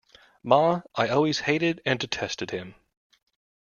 Ma, I always hated and detested him.